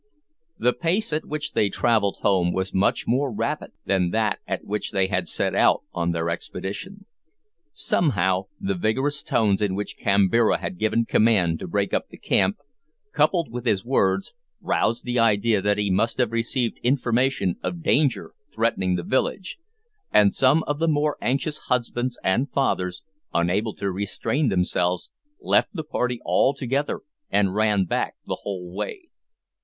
The pace at which they travelled home was much more rapid than that at which they had set out on their expedition. Somehow, the vigorous tones in which Kambira had given command to break up the camp, coupled with his words, roused the idea that he must have received information of danger threatening the village, and some of the more anxious husbands and fathers, unable to restrain themselves, left the party altogether and ran back the whole way.